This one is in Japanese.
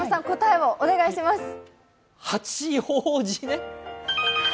八王子ね。